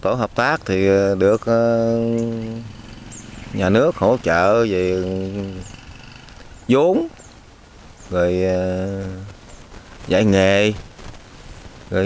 tổ hợp tác thì được nhà nước hỗ trợ về giống rồi do nghề đăng ký thương hiệu này cũng được